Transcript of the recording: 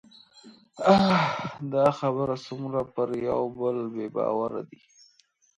اه! دا خلک څومره پر يوبل بې باوره دي